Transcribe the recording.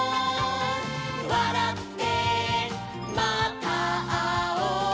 「わらってまたあおう」